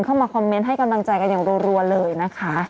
เข้ามาคอมเมนต์ให้กำลังใจกันอย่างรัวเลยนะคะ